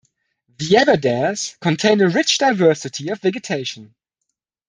The Aberdares contain a rich diversity of vegetation.